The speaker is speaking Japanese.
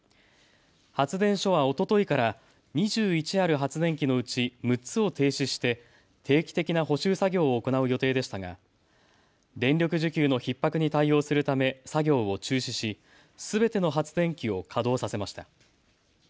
発電所はおとといから２１ある発電機のうち６つを停止して定期的な補修作業を行う予定でしたが電力需給のひっ迫に対応するため作業を中止しすべての発電機を稼働させました。